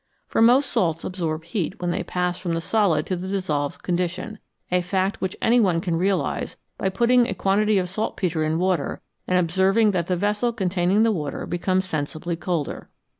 For most salts absorb heat when they pass from the solid to the dissolved condition a fact which any one can realise by putting a quantity of saltpetre in water and observing that the vessel containing the water becomes sensibly colder.